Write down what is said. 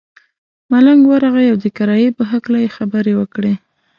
ملنګ ورغئ او د کرایې په هکله یې خبرې وکړې.